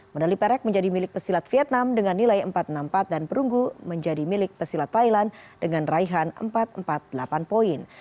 medali perak menjadi milik pesilat vietnam dengan nilai empat ratus enam puluh empat dan perunggu menjadi milik pesilat thailand dengan raihan empat ratus empat puluh delapan poin